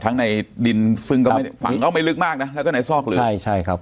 ในดินซึ่งก็ไม่ได้ฝังเอาไม่ลึกมากนะแล้วก็ในซอกเลยใช่ใช่ครับ